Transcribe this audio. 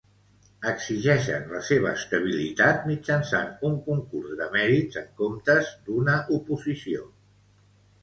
Exigeixen la seva estabilitat mitjançant un concurs de mèrits en comptes d'una oposició.